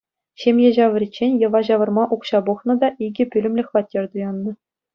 Ҫемье ҫавӑриччен йӑва ҫавӑрма укҫа пухнӑ та икӗ пӳлӗмлӗ хваттер туяннӑ.